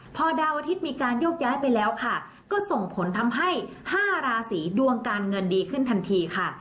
พอดาวอาทิตย์มีการโยกย้ายไปแล้วค่ะก็ส่งผลทำให้๕ราศีดวงการเงินดีขึ้นทันทีค่ะ